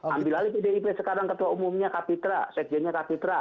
ambil alih pdip sekarang ketua umumnya kapitra sekjennya kapitra